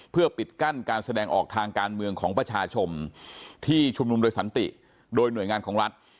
เพื่อปิดกั้นการแสดงออกทางการเมืองของประชาชนที่ชุมนุมโดยสันติโดยหน่วยงานของรัฐ